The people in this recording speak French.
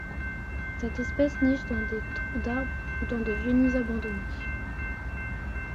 Cette espèce niche dans des trous d'arbre ou dans de vieux nids abandonnés.